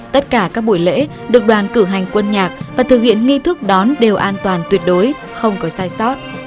tất cả các buổi lễ được đoàn cử hành quân nhạc và thực hiện nghi thức đón đều an toàn tuyệt đối không có sai sót